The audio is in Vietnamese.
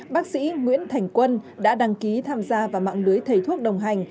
bác sĩ nguyễn thành quân đã đăng ký tham gia vào mạng lưới thầy thuốc đồng hành